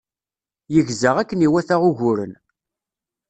Yegza akken iwata uguren.